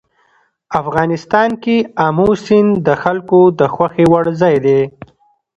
افغانستان کې آمو سیند د خلکو د خوښې وړ ځای دی.